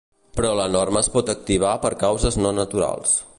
Però la norma es pot activar per causes no naturals.